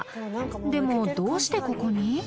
でもどうしてここに？